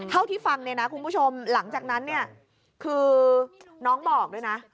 เท่าที่ฟังเนี่ยนะคุณผู้ชมหลังจากนั้นเนี่ยคือน้องบอกด้วยนะ